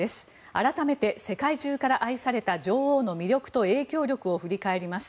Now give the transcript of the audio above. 改めて、世界中から愛された女王の魅力と影響力を振り返ります。